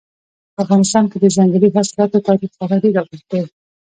په افغانستان کې د ځنګلي حاصلاتو تاریخ خورا ډېر اوږد دی.